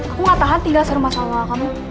aku gak tahan tinggal di rumah sama mama kamu